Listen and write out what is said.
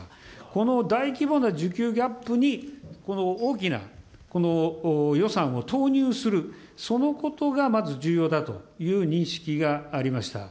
この大規模な需給ギャップに、この大きな予算を投入する、そのことがまず重要だという認識がありました。